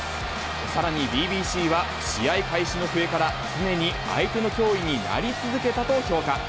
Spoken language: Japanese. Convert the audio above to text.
さらにＢＢＣは、試合開始の笛から、常に相手の脅威になり続けたと評価。